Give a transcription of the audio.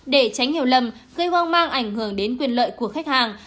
để tránh hiểu lầm gây hoang mang ảnh hưởng đến quyền lợi của khách hàng